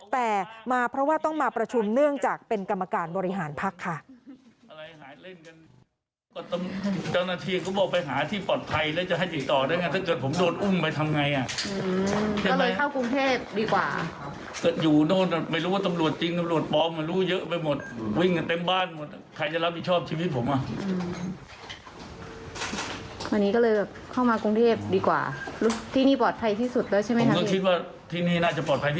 แต่มาเพราะว่าต้องมาประชุมเนื่องจากเป็นกรรมการบริหารพักค่ะ